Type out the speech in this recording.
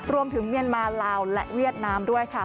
เมียนมาลาวและเวียดนามด้วยค่ะ